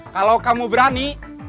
kalau kamu berani